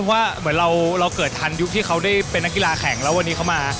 ว่าเหมือนเราเกิดทันยุคที่เขาได้เป็นนักกีฬาแข่งแล้ววันนี้เขามา